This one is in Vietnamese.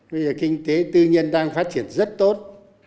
bây giờ kinh tế tư nhân đang phát triển rất tốt